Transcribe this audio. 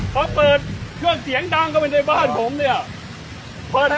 พอเปิดเครื่องเสียงดังเข้าไปในบ้านผมเนี่ย